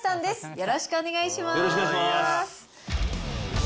よろしくお願いします。